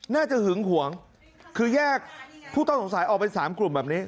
น่าจะหึงห่วงคือแยกผู้ต้องสงสัยออกเป็นสามกลุ่มแบบนี้